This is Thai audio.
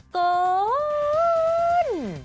เกิน